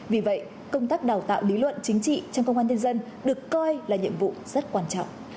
vì vậy công tác đào tạo lý luận chính trị trong công an nhân dân được coi là nhiệm vụ rất quan trọng